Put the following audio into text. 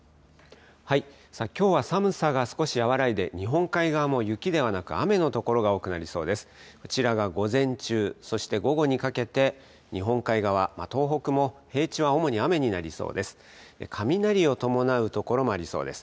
きょうは寒さが少し和らいで、日本海側も雪ではなく雨の所が多くなりそうです。